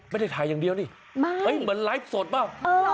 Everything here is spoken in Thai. ไม่ได้ถ่ายอย่างเดียวนี่เหมือนไลฟ์สดเปล่า